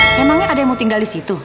emangnya ada yang mau tinggal disitu